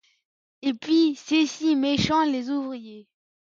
Et puis c’est si méchant les ouvriers!